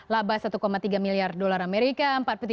laba satu tiga miliar dolar amerika